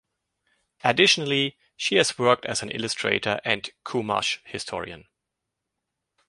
Additionally she has worked as an illustrator and Chumash historian.